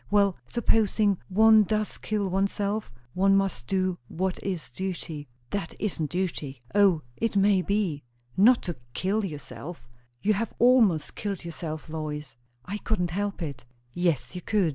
"Well, supposing one does kill oneself? one must do what is duty." "That isn't duty." "O, it may be." "Not to kill yourself. You have almost killed yourself, Lois." "I couldn't help it." "Yes, you could.